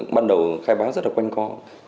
ban đầu khai báo rất là quanh co